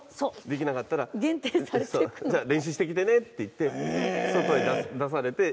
できなかったら「じゃあ練習してきてね」って言って外へ出されて。